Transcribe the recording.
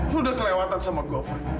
lo udah kelewatan sama gue van